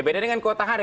beda dengan kota hari